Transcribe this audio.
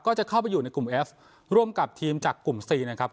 ก็จะเข้าไปอยู่ในกลุ่มเอฟร่วมกับทีมจากกลุ่มซีนะครับ